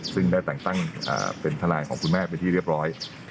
ซึ่งได้แต่งตั้งเป็นทนายของคุณแม่เป็นที่เรียบร้อย